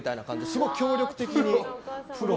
すごい協力的に。